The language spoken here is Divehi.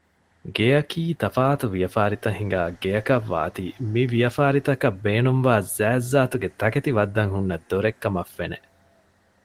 ގެޔަކީ ތަފާތު ވިޔަފާރިތައް ހިނގާ ގެއަކަށް ވާތީ މިވިޔަފާރިތަކަށް ބޭނުންވާ ޒާތްޒާތުގެ ތަކެތި ވައްދަން ހުންނަ ދޮރެއްކަމަށް ފެނެ